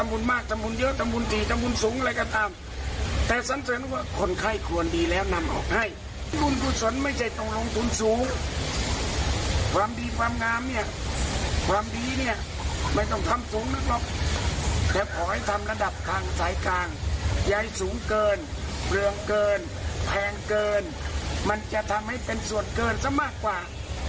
แพงเกินมันจะทำให้เป็นส่วนเกินซะมากกว่า